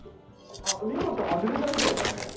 見事外れたみたいだね。